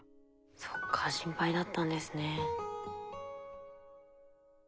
そっか心配だったんですね。